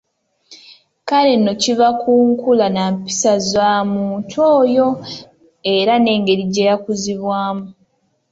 Kale nno kiva ku nkula nampisa za muntu oyo era n'engeri gye yakuzibwamu.